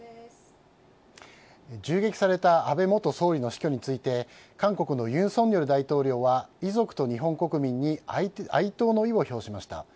銃撃された安倍元総理の死去について韓国の尹錫悦大統領は遺族と日本国民に哀悼の意を表しました。